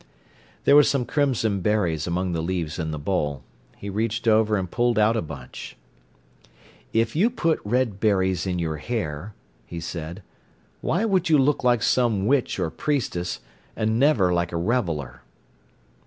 There were some crimson berries among the leaves in the bowl. He reached over and pulled out a bunch. "If you put red berries in your hair," he said, "why would you look like some witch or priestess, and never like a reveller?"